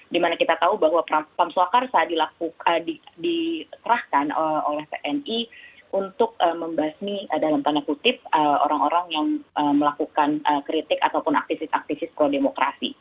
di mana kita tahu bahwa pamswa karsa diterahkan oleh pni untuk membasmi dalam tanda kutip orang orang yang melakukan kritik ataupun aktivis aktivis pro demokrasi